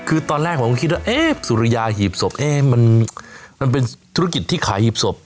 คือตอนแรกผมก็คิดว่าสุริยาหีบศพมันเป็นธุรกิจที่ขายหีบศพ